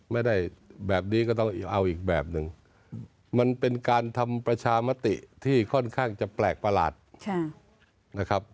ไม่ได้แบบนี้ก็ต้องเอาอีกแบบหนึ่งมันเป็นการทำประชามติที่ค่อนข้างจะแปลกประหลาดนะครับ